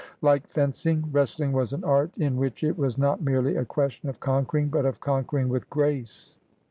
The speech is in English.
Like fencing, wrestling was an art in which it was not merely a question of conquering, but of conquering with grace.